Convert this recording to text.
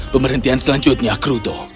pemerintahan selanjutnya akruto